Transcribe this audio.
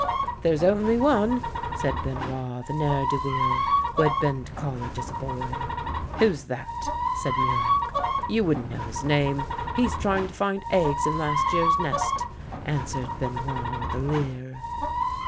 " There's only one," said Benoit the ne'er do weel, who had been to college as a boy. " Who's that? " said Muroc. " You wouldn't know his name. He's trying to find eggs in last year's nest," answered Benoit with a leer.